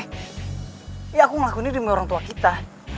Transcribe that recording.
iya aku ngelakuin ini demi orang tua kita